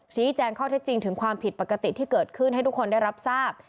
แจ้งข้อเท็จจริงถึงความผิดปกติที่เกิดขึ้นให้ทุกคนได้รับทราบ